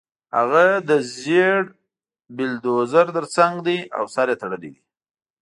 هغه د زېړ بلډیزور ترڅنګ دی او سر یې تړلی دی